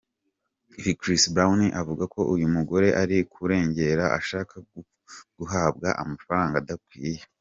Ibi Chris Brown akavuga ko uyu mugore ari kurengera ashaka guhabwa amafaranga adakwiye.